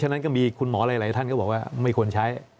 ฉะนั้นก็มีคุณหมอหลายท่านก็บอกว่าไม่ควรใช้